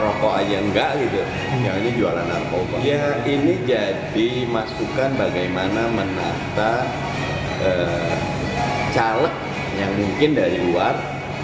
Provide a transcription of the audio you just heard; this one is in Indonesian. oh jangan jangan ini duitnya ngalirnya ke partai juga nih